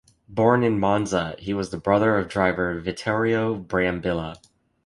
Born in Monza, he was the brother of driver Vittorio Brambilla.